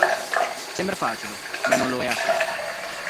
Sembra facile, ma non lo è affatto.